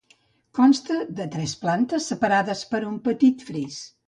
Consta de tres plantes separades per un petit fris.